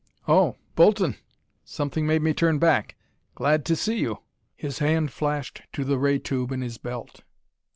"Oh Bolton! Something made me turn back. Glad to see you." His hand flashed to the ray tube in his belt.